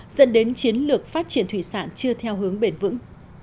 dẫn đến chiến lược phát triển thủy sản chưa theo hướng bền vững